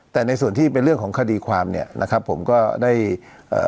แต่ในส่วนที่เป็นเรื่องของคดีความเนี่ยนะครับผมก็ได้เอ่อ